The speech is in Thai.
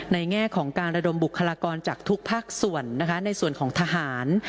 แง่ของการระดมบุคลากรจากทุกภาคส่วนนะคะในส่วนของทหาร